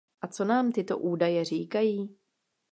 A co nám tyto údaje říkají?